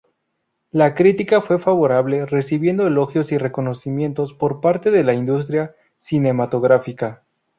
La crítica fue favorable, recibiendo elogios y reconocimientos por parte de la industria cinematográfica.